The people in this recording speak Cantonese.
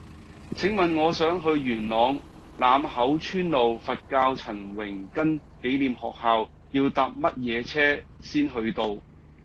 請問我想去元朗欖口村路佛教陳榮根紀念學校要搭乜嘢車先去到